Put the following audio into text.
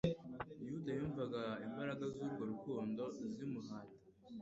Yuda yumvaga imbaraga z'urwo urukundo zimuhata.